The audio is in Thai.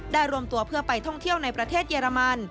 รวมตัวเพื่อไปท่องเที่ยวในประเทศเยอรมัน